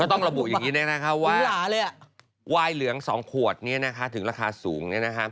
ต้องระบุอย่างนี้นะคะว่าวายเหลือง๒ขวดนี้นะคะถึงราคาสูง